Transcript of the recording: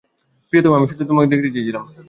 প্রিয়তম, আমি শুধু তোমাকে দেখতে চেয়েছিলাম।